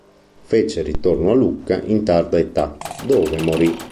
Fece ritorno a Lucca in tarda età, dove morì.